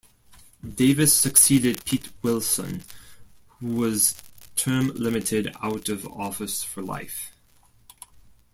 Davis succeeded Pete Wilson who was term limited out of office for life.